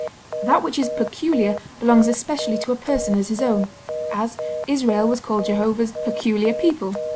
That which is peculiar belongs especially to a person as his own; as, Israel was called Jehovah's "peculiar people," _i.